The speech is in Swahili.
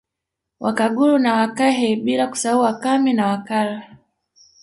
Wakaguru na Wakahe bila kusahau Wakami na Wakara